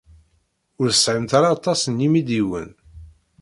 Ur tesɛimt ara aṭas n yimidiwen.